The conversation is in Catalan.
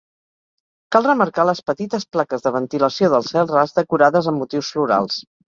Cal remarcar les petites plaques de ventilació del cel ras decorades amb motius florals.